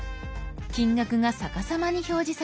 金額が逆さまに表示されます。